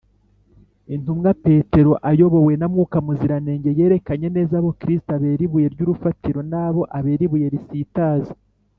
intumwa petero, ayobowe na mwuka muziranenge, yerekanye neza abo kristo abera ibuye ry’urufatiro n’abo abera ibuye risitaza: